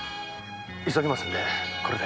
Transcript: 急ぎますんでこれで。